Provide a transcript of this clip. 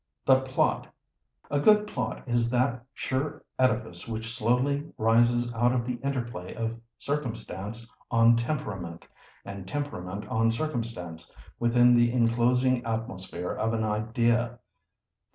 The plot! A good plot is that sure edifice which slowly rises out of the interplay of circumstance on temperament, and temperament on circumstance, within the enclosing atmosphere of an idea.